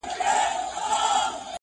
هغه سندري د باروتو او لمبو ويلې؛